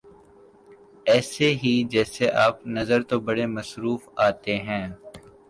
ایسے ہی جیسے آپ نظر تو بڑے مصروف آتے ہیں